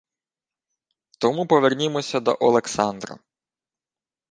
Тому повернімося до Олександра